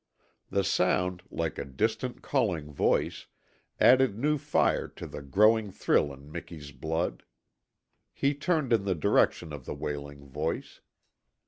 The sound, like a distant calling voice, added new fire to the growing thrill in Miki's blood. He turned in the direction of the wailing voice.